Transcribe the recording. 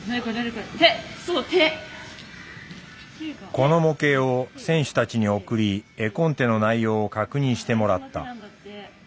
この模型を選手たちに送り絵コンテの内容を確認してもらった。